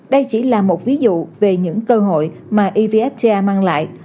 đây chỉ là một ví dụ về những cơ hội mà evfta mang lại